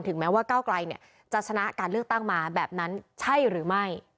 แม้ว่าก้าวไกลจะชนะการเลือกตั้งมาแบบนั้นใช่หรือไม่